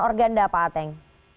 organda pak ateng